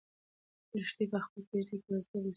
لښتې په خپله کيږدۍ کې د یوازیتوب احساس کاوه.